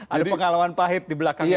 ada pengalaman pahit di belakangnya itu ya